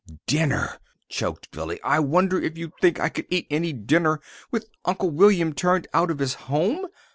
"Dinner!" choked Billy. "I wonder if you think I could eat any dinner with Uncle William turned out of his home!